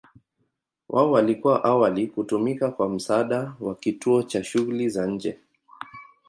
Wao walikuwa awali kutumika kwa msaada wa kituo cha shughuli za nje.